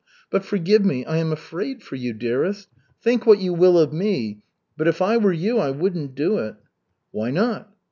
But forgive me, I am afraid for you, dearest. Think what you will of me, but if I were you, I wouldn't do it." "Why not?"